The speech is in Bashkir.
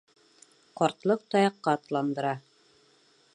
Ҡартлыҡ таяҡҡа атландыра.